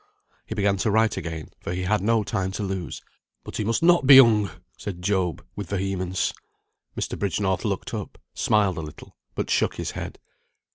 He began to write again, for he had no time to lose. "But he must not be hung," said Job, with vehemence. Mr. Bridgenorth looked up, smiled a little, but shook his head.